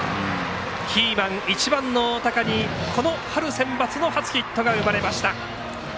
キーマン１番の大高にこの春センバツの初ヒットが生まれました。